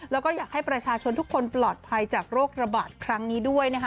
แล้วก็อยากให้ประชาชนทุกคนปลอดภัยจากโรคระบาดครั้งนี้ด้วยนะคะ